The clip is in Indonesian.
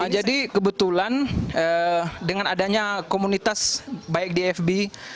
jadi kebetulan dengan adanya komunitas baik di fb